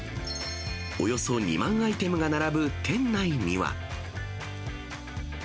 およそ２万アイテムが並ぶ店内には。